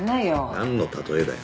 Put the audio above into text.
なんの例えだよ。